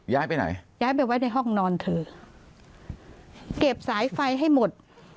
ย้ายไปไหนย้ายไปไว้ในห้องนอนเธอเก็บสายไฟให้หมด